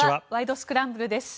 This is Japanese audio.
スクランブル」です。